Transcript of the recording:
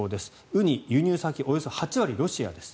ウニ、輸入先およそ８割がロシアです。